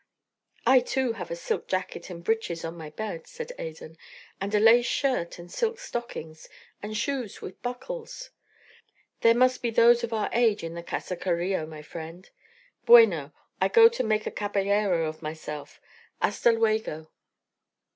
"I, too, have a silk jacket and breeches by my bed," said Adan, "and a lace shirt and silk stockings, and shoes with buckles. There must be those of our age in the Casa Carillo, my friend. Bueno! I go to make a caballero of myself. Hasta luego."